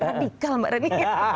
radikal mbak reni